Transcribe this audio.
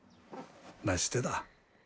なしてだ。